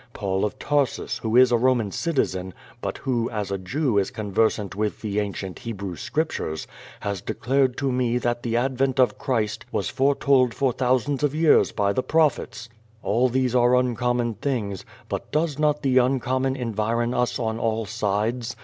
Paul of Tar sus, who is a Roman citizen, but who as a Jew is conversant with the ancient Hebrew scriptures, has declared to me that the advent of Christ was foretold for thousands of years by tlio prophets. All these arc uncommon things, but does not the uncommon environ us on all sides?